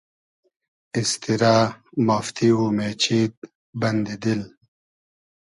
ایستیرۂ , مافتی و مېچید بئندی دیل